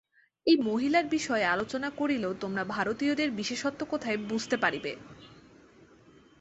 এই মহিলার বিষয় আলোচনা করিলেও তোমরা ভারতীয়দের বিশেষত্ব কোথায় বুঝিতে পারিবে।